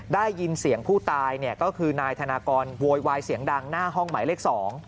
ได้ยินเสียงผู้ตายก็คือนายธนากรโวยวายเสียงดังหน้าห้องหมายเลข๒